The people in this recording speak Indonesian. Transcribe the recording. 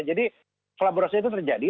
jadi kolaborasi itu terjadi